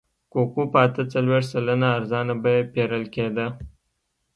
کوکو په اته څلوېښت سلنه ارزانه بیه پېرل کېده.